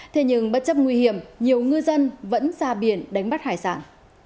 thế nhưng bất chấp nguy hiểm nhiều ngư dân vẫn ra biển đánh bắt hải sản